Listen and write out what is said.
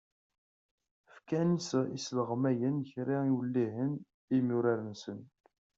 Fkan yisleɣmayen kra n yiwellihen i yemyurar-nsen.